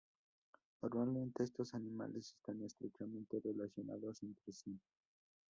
Normalmente, estos animales están estrechamente relacionados entre sí.